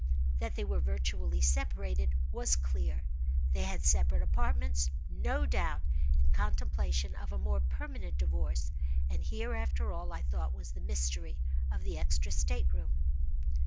That they were virtually separated was clear. They had separate apartments—no doubt in contemplation of a more permanent divorce; and here, after all I thought was the mystery of the extra state room.